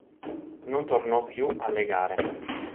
Non tornò più alle gare.